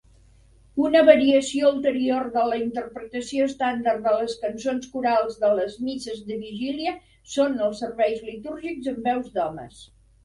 Una variació ulterior de la interpretació estàndard de les cançons corals de les misses de vigília són els serveis litúrgics amb veus d'homes.